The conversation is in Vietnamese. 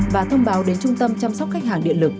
và thông báo đến trung tâm chăm sóc khách hàng điện lực